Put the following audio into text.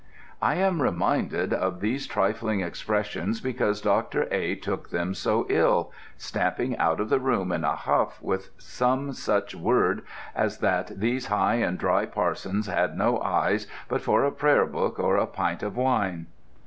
"I am reminded of these trifling expressions because Dr. A. took them so ill, stamping out of the room in a huff with some such word as that these high and dry parsons had no eyes but for a prayerbook or a pint of wine.